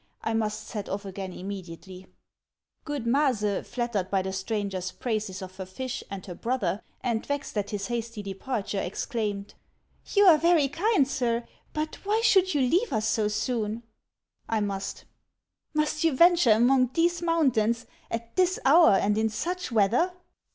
I must set off again immediately." 1 The patron saint of fishermen. HANS OF ICELAND. 307 Good Maase, flattered by the stranger's praises of her fish and her brother, and vexed at his hasty departure, exclaimed :" You are very kind, sir. But why should you leave us so soon ?"" I must." " Must you venture among these mountains at this hour and in such weather